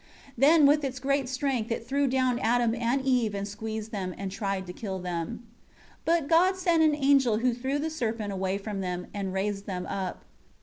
Then with its great strength, it threw down Adam and Eve and squeezed them, and tried to kill them. 5 But God sent an angel who threw the serpent away from them, and raised them up.